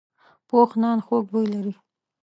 پوخ نان خوږ بوی لري